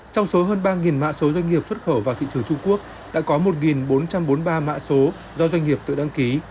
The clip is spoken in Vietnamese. trong số hơn ba mã số doanh nghiệp xuất khẩu vào thị trường trung quốc đã có một bốn trăm bốn mươi ba mã số do doanh nghiệp tự đăng ký